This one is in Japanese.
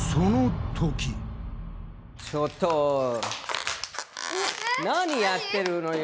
ちょっと何やってるのよ！